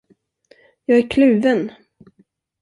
Jag är kluven.